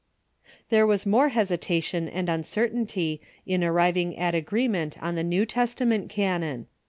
There was more hesitation and uncertainty in arriving at agreement on the New Testament canon.